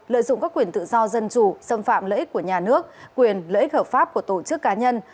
lợi dụng các quyền tự do dân chủ xâm phạm lợi ích của nhà nước quyền lợi ích hợp pháp của tổ chức cá nhân